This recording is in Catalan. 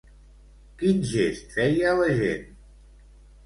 Quin gest feia la gent?